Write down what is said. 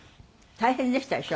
大変でしたでしょ？